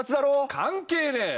関係ねえよ。